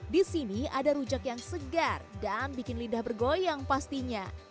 di sini ada rujak yang segar dan bikin lidah bergoyang pastinya